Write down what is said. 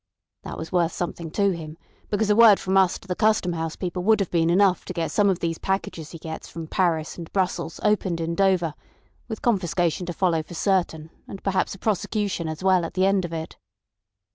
That was worth something to him, because a word from us to the Custom House people would have been enough to get some of these packages he gets from Paris and Brussels opened in Dover, with confiscation to follow for certain, and perhaps a prosecution as well at the end of it."